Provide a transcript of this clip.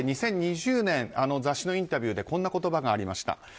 ２０２０年雑誌のインタビューでこんな言葉がありました。